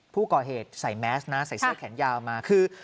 ผู้ก่อเหตุใส่แมสนะใส่เสื้อแขนยาวมาคือ